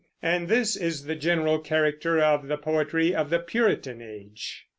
And this is the general character of the poetry of the Puritan Age.